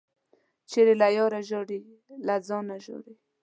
چي له ياره ژاړې ، له ځانه ژاړې.